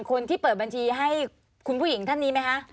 คนที่เปิดบัญชีให้คุณผู้หญิงท่านนี้ไหมคะ